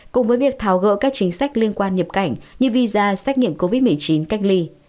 cùng với việc tháo gỡ các chính sách liên quan nhập cảnh như visa xét nghiệm covid một mươi chín cách ly